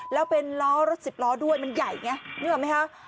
แล้วเป็นล้อรถสิบล้อด้วยมันใหญ่ไงนึกออกไหมคะ